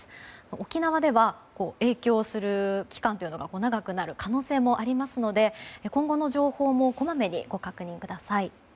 沖縄では影響する期間が長くなる可能性もありますので今後の情報もこまめにご確認ください。